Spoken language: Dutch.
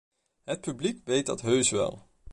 Het publiek weet dat heus wel.